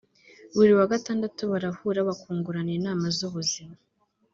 buri wa gatandatu barahura bakungurana inama z’ubuzima